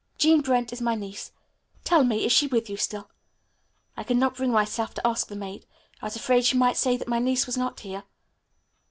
Jean Brent is my niece. Tell me, is she with you still? I could not bring myself to ask the maid. I was afraid she might say that my niece was not here."